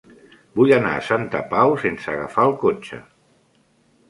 Vull anar a Santa Pau sense agafar el cotxe.